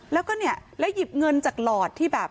แล้วก็เนี่ยแล้วหยิบเงินจากหลอดที่แบบ